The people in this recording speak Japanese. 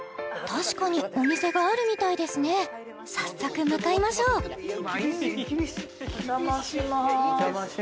確かにお店があるみたいですね早速向かいましょうお邪魔します